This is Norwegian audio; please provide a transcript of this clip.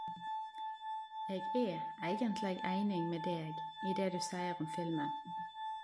Eg er eigentleg einig med deg i det du seier om filmen.